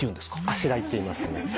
「あしらい」っていいますね。